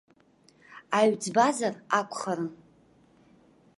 Аҩӡбазар акәхарын.